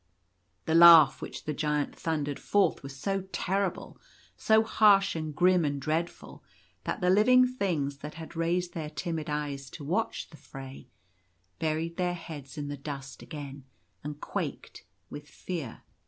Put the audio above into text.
The laugh which the Giant thundered forth was so terrible — so harsh and grim and dreadful, that the living things that had raised their timid eyes to watch the fray buried their heads in the dust again, and quaked with fear.